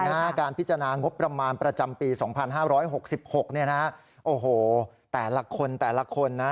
การพิจารณางบประมาณประจำปี๒๕๖๖โอ้โหแต่ละคนแต่ละคนนะ